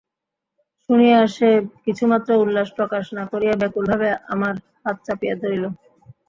শুনিয়া সে কিছুমাত্র উল্লাস প্রকাশ না করিয়া ব্যাকুলভাবে আমার হাত চাপিয়া ধরিল।